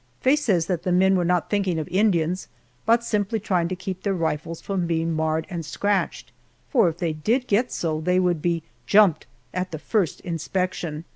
Faye says that the men were not thinking of Indians, but simply trying to keep their rifles from being marred and scratched, for if they did get so they would be "jumped" at the first inspection.